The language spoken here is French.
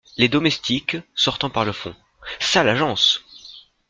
Les Domestiques , sortant par le fond. — Sale agence !